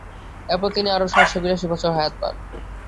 এরপর তিনি আরো সাতশ বিরাশি বছর হায়াত পান।